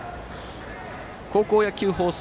高校野球放送